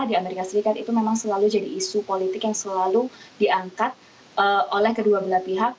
di amerika serikat itu memang selalu jadi isu politik yang selalu diangkat oleh kedua belah pihak